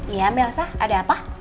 iya melsa ada apa